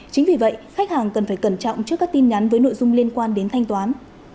chính vì vậy khách hàng cần phải cẩn trọng trước các tin nhắn với nội dung liên quan đến thanh toán